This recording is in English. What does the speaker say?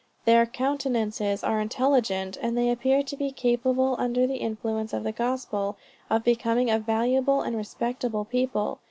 Their countenances are intelligent; and they appear to be capable under the influence of the Gospel, of becoming a valuable and respectable people.